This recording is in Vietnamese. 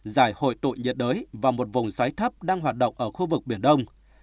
giải hội tụ nhiệt đới và một vùng xoáy thấp đang hoạt động ở khu vực biển đông